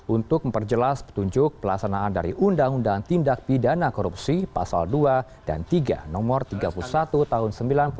untuk memperjelas petunjuk pelaksanaan dari undang undang tindak pidana korupsi pasal dua dan tiga nomor tiga puluh satu tahun seribu sembilan ratus sembilan puluh sembilan